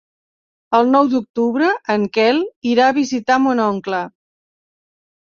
El nou d'octubre en Quel irà a visitar mon oncle.